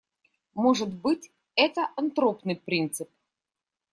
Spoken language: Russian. Может быть, это антропный принцип.